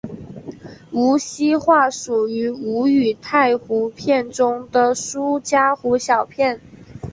无锡话属于吴语太湖片中的苏嘉湖小片。